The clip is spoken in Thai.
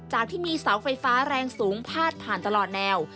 ที่มีเสาไฟฟ้าแรงสูงพาดผ่านตลอดแนว